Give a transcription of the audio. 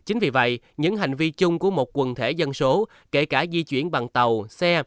chính vì vậy những hành vi chung của một quần thể dân số kể cả di chuyển bằng tàu xe